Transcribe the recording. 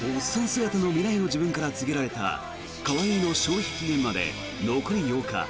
姿の未来の自分から告げられた可愛いの消費期限まで残り８日。